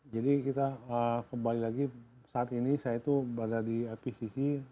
jadi kita kembali lagi saat ini saya itu berada di ipcc